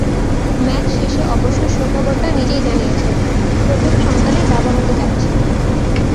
Match শেষে অবশ্য সুখবরটা নিজেই জানিয়েছেন, প্রথম সন্তানের বাবা হতে যাচ্ছেন।